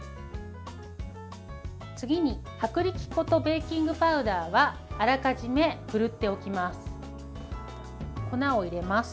次に薄力粉とベーキングパウダーはあらかじめ振るっておきます。